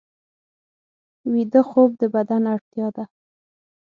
ویده خوب د بدن اړتیا ده